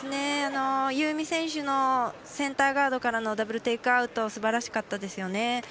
夕湖選手のセンターガードからのダブル・テイクアウトすばらしかったですよね。